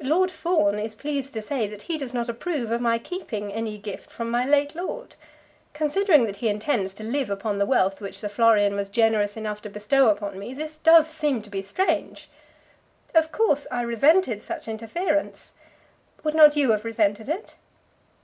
Lord Fawn is pleased to say that he does not approve of my keeping any gift from my late lord. Considering that he intends to live upon the wealth which Sir Florian was generous enough to bestow upon me, this does seem to be strange! Of course, I resented such interference. Would not you have resented it?"